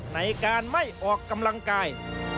ในการไม่ออกกำลังกาย